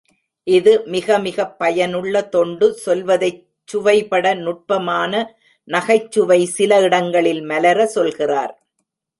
இது மிக மிகப் பயனுள்ள தொண்டு சொல்வதைச் சுவைபட நுட்பமான நகைச் சுவை சில இடங்களில் மலர, சொல்கிறார்.